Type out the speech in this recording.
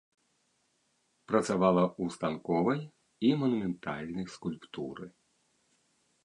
Працавала ў станковай і манументальнай скульптуры.